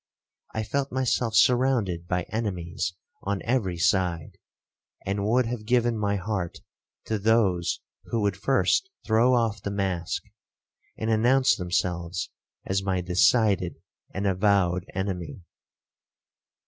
I felt myself surrounded by enemies on every side, and would have given my heart to those who would first throw off the mask, and announce themselves as my decided and avowed enemy.